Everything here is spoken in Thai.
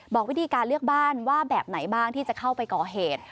บอกวิธีการเลือกบ้านว่าแบบไหนบ้างที่จะเข้าไปก่อเหตุ